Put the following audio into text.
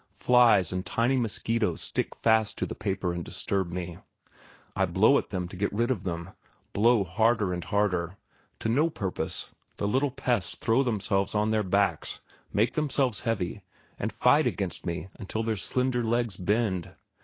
Flies and tiny mosquitoes stick fast to the paper and disturb me. I blow at them to get rid of them blow harder and harder; to no purpose, the little pests throw themselves on their backs, make themselves heavy, and fight against me until their slender legs bend.